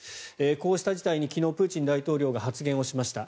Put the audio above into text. こうした事態に昨日プーチン大統領が発言をしました。